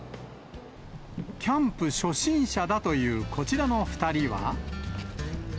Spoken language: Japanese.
キャンプ初心者だというこちらの２人は。